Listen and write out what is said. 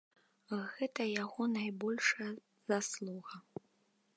Гэта яго найбольшая заслуга.